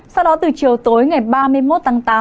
sau đó từ chiều tối ngày ba mươi một tháng tám